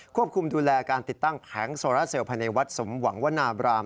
ควบคุมดูแลการติดตั้งแผงโซราเซลภายในวัดสมหวังวนาบราม